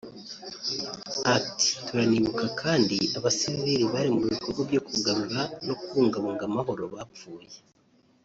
Ati” Turanibuka kandi abasivili bari mu bikorwa byo kugarura no kubungabunga amahoro bapfuye